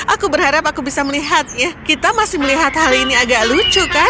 aku berharap aku bisa melihat ya kita masih melihat hal ini agak lucu kan